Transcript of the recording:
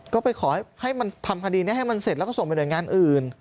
ก็ไปขอให้มันทำคดีนี้ให้มันเสร็จแล้วก็ส่งไปหน่วยงานอื่น